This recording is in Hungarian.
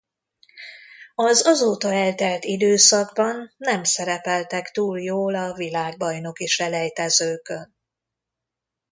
Az azóta eltelt időszakban nem szerepeltek túl jól a világbajnoki selejtezőkön.